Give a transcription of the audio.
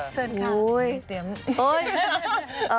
เชิญค่ะ